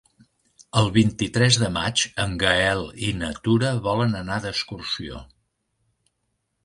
El vint-i-tres de maig en Gaël i na Tura volen anar d'excursió.